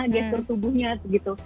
gestur tubuhnya gitu